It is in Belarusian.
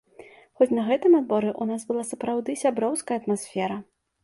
Хоць на гэтым адборы ў нас была сапраўды сяброўская атмасфера.